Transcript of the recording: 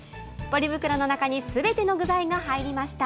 ポリ袋の中にすべての具材が入りました。